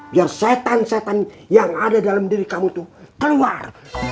biar setan setan yang ada dalam diri kamu itu keluar